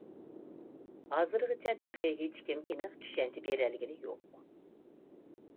ھازىرغىچە تېخى ھېچكىم ئېنىق چۈشەنچە بېرەلىگىنى يوق.